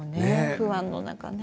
不安の中。